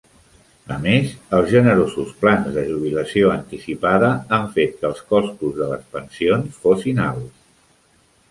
A més, els generosos plans de jubilació anticipada han fet que els costos de les pensions fossin alts.